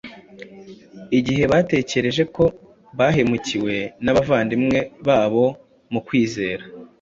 Igihe batekereje ko bahemukiwe n’abavandimwe babo mu kwizera